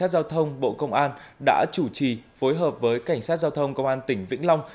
cảnh sát giao thông bộ công an đã chủ trì phối hợp với cảnh sát giao thông công an tỉnh vĩnh long